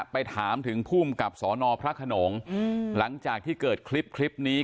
ไปถามถึงภูมิกับสนพระขนงหลังจากที่เกิดคลิปนี้